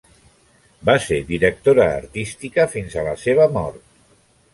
Va ser directora artística fins a la seva mort.